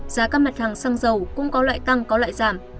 giá các mặt hàng xăng dầu cũng có loại tăng có loại giảm